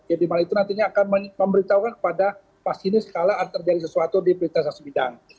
yang di mana itu nantinya akan memberitahukan kepada pas ini sekali akan terjadi sesuatu di perintah sebidang